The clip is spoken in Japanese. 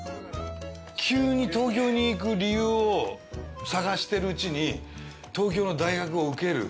急に東京に行く理由を探してるうちに東京の大学を受ける。